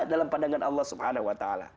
dalam pandangan allah swt